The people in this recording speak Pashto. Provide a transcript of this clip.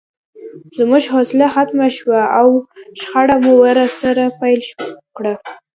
زموږ حوصله ختمه شوه او شخړه مو ورسره پیل کړه